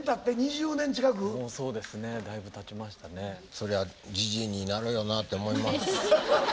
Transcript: そりゃじじいになるよなって思います。